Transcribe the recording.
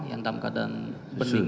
yang dalam keadaan bening